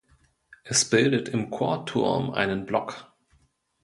Es bildet im Chorturm einen Block.